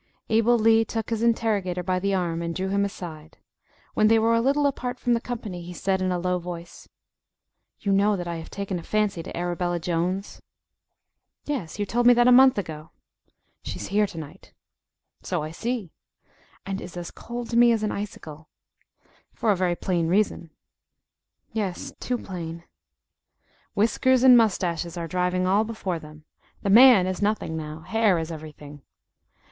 Abel Lee took his interrogator by the arm, and drew him aside. When they were a little apart from the company, he said in a low voice "You know that I have taken a fancy to Arabella Jones?" "Yes, you told me that a month ago." "She is here to night." "So I see." "And is as cold to me as an icicle." "For a very plain reason." "Yes, too plain." "Whiskers and moustaches are driving all before them. The man is nothing now; hair is every thing.